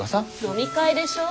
飲み会でしょ？